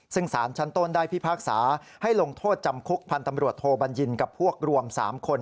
ซึ่งสารชั้นต้นได้พิพากษาให้ลงโทษจำคุกพันธ์ตำรวจโทบัญญินกับพวกรวม๓คน